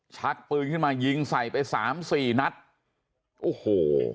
ชักปืนขึ้นมายิงใส่ไปสามสี่นัดโอ้โห